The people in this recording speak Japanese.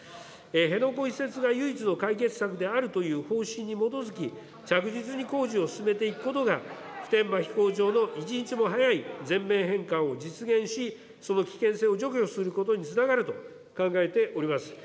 辺野古移設が唯一の解決策であるという方針に基づき、着実に工事を進めていくことが、普天間飛行場の一日も早い全面返還を実現し、その危険性を除去することにつながると考えております。